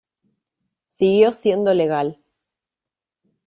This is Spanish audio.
Siguió siendo legal.